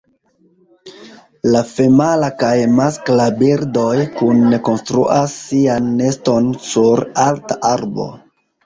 La femala kaj maskla birdoj kune konstruas sian neston sur alta arbo.